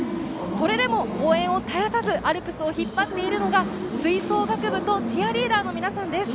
それでも応援を絶やさずアルプスを引っ張っているのが吹奏楽部とチアリーダーの皆さんです。